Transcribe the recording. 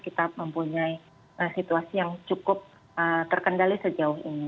kita mempunyai situasi yang cukup terkendali sejauh ini